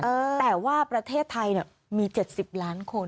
แต่ว่าประเทศไทยมี๗๐ล้านคน